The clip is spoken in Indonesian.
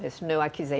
tidak ada penipuan